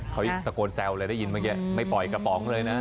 เขาตะโกนแซวเลยได้ยินเมื่อกี้ไม่ปล่อยกระป๋องเลยนะ